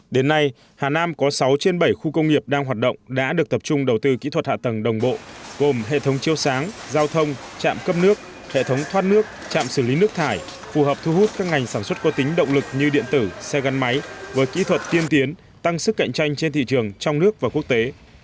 đến nay hà nam có sáu trên bảy khu công nghiệp đang hoạt động đã được tập trung đầu tư kỹ thuật hạ tầng đồng bộ gồm hệ thống chiêu sáng giao thông chạm cấp nước hệ thống thoát nước chạm xử lý nước thải phù hợp thu hút các ngành sản xuất có tính động lực như điện tử xe gắn máy với kỹ thuật tiên tiến tăng sức cạnh tranh trên thị trường trong nước và quốc tế